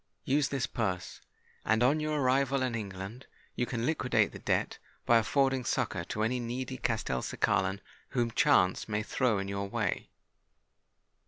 Use this purse; and, on your arrival in England, you can liquidate the debt by affording succour to any needy Castelcicalan whom chance may throw in your way."